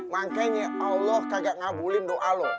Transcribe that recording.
makanya allah kagak ngabulin doa loh